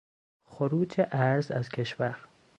خروج ارز از کشور